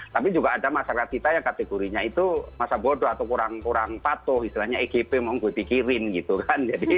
tapi juga ada masyarakat kita yang kategorinya itu masa bodoh atau kurang kurang patuh istilahnya egp monggo dipikirin gitu kan